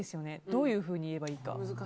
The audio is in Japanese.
どういうふうに言えばいいか。